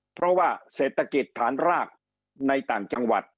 เพราะว่าเศรษฐกิจฐานรากในต่างจังหวัด